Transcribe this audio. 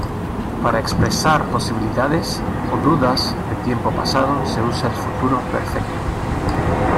Para expresar posibilidades o dudas de tiempo pasado se usa el futuro perfecto.